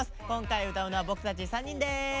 今回歌うのは僕たち３人です。